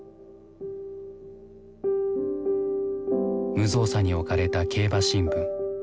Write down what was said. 無造作に置かれた競馬新聞。